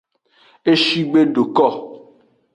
Eshi gbe do ko.